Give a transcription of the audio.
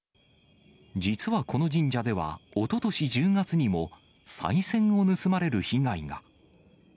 実はこの神社では、おととし１０月にもさい銭を盗まれる被害が。